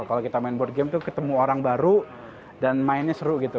kalau kita main board game itu ketemu orang baru dan mainnya seru gitu